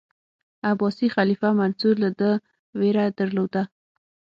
عباسي خلیفه منصور له ده ویره درلوده.